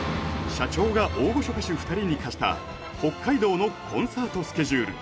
社長が大御所歌手２人に課した北海道のコンサートスケジュール